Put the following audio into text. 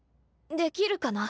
できるかな。